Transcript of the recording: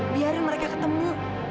biarin mereka ketemu